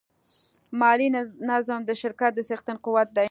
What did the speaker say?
مالي نظم د شرکت د څښتن قوت دی.